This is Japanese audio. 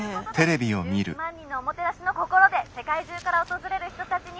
「１１万人のおもてなしの心で世界中から訪れる人たちに」。